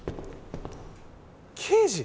刑事！